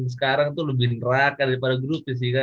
sekarang tuh lebih neraka daripada grupnya sih kak